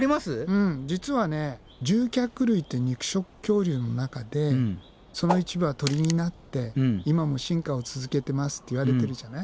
うん実は獣脚類って肉食恐竜の中でその一部は鳥になって今も進化を続けてますって言われてるじゃない。